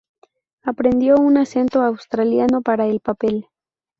Aprendió un acento australiano para el papel.